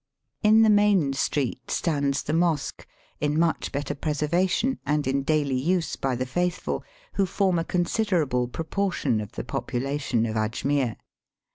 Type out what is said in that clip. In the main street stands the mosque, in much better preservation and in daily use by the faithful, who form a considerable propor tion of the population of Ajmere.